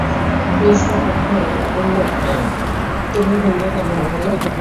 ক্লিষ্টকণ্ঠে এলা বললে, তুমি ভুললে কেন, অন্তু?